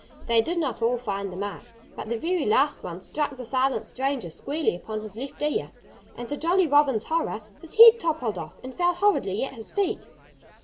They did not all find the mark. But the very last one struck the silent stranger squarely upon his left ear. And to Jolly Robin's horror, his head toppled off and fell horridly at his feet.